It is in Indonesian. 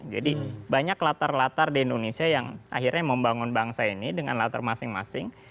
jadi banyak latar latar di indonesia yang akhirnya membangun bangsa ini dengan latar masing masing